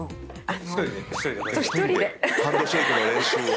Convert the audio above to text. ハンドシェイクの練習を。